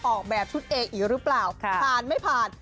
ออกแบบชุดเออีกหรือเปล่าผ่านไม่ผ่าน